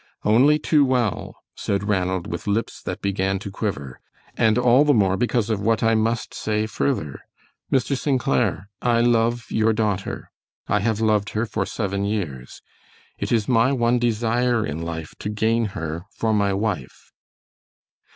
"Only too well," said Ranald, with lips that began to quiver, "and all the more because of what I must say further. Mr. St. Clair, I love your daughter. I have loved her for seven years. It is my one desire in life to gain her for my wife."